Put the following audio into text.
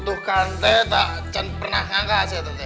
tutuhkan teh tak pernah ngangkas ya tante